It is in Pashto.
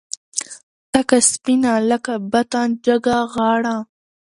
تکه سپینه لکه بته جګه غاړه